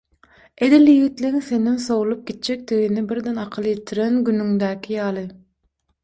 Edil ýigitligiň senden sowlup gitjekdigine birden akyl ýetiren günüňdäki ýaly.